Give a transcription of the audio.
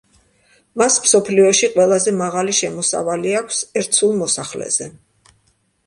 მას მსოფლიოში ყველაზე მაღალი შემოსავალი აქვს ერთ სულ მოსახლეზე.